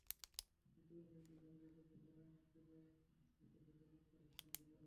মৃত্যুদণ্ডের বিধান রেখে কঠোর আইন হলে খাদ্যে ভেজাল রোধ করা সম্ভব হবে।